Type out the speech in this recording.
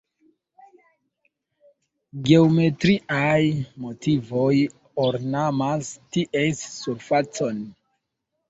Geometriaj motivoj ornamas ties surfacon.